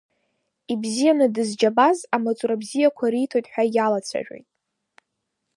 Ибзианы дызџьабаз амаҵура бзиақәа риҭоит ҳәа иалацәажәоит.